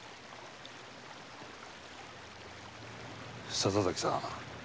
笹崎さん